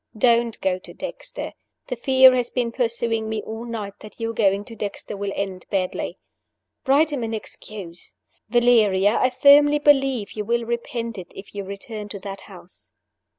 Don't go to Dexter! The fear has been pursuing me all night that your going to Dexter will end badly. Write him an excuse. Valeria! I firmly believe you will repent it if you return to that house."